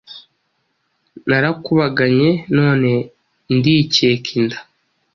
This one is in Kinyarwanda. Narakubaganye none ndikeka inda;